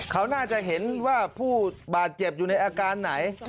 เขาน่าจะเห็นว่าผู้บาดเจ็บอยู่ในอาการไหน